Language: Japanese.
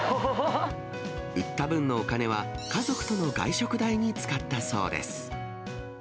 売った分のお金は、家族との外食代に使ったそうです。